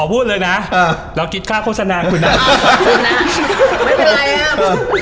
พอพูดเลยน่ะเออแล้วกินค่าโฆษณาคุณน่ะคุณน่ะไม่เป็นไรอ่ะ